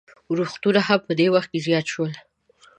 اورښتونه هم په دې وخت کې زیات شول.